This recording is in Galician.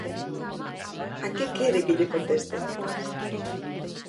¿A que quere que lle conteste?